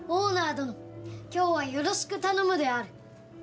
どの今日はよろしく頼むである。